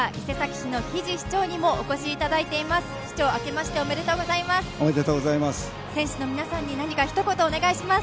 市長、明けましておめでとうございます。